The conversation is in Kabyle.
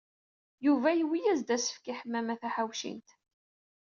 Yuba yuwey-as-d asefk i Ḥemmama Taḥawcint.